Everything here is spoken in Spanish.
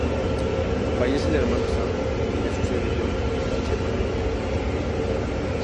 Fallece el hermano Sam, y le sucede John H. MacMillan.